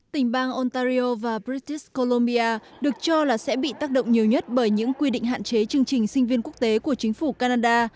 tỉnh bang ontario và bristis colombia được cho là sẽ bị tác động nhiều nhất bởi những quy định hạn chế chương trình sinh viên quốc tế của chính phủ canada